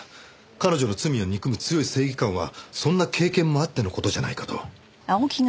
彼女の罪を憎む強い正義感はそんな経験もあっての事じゃないかと。